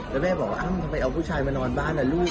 แล้วแม่บอกว่าทำไมเอาผู้ชายมานอนบ้านล่ะลูก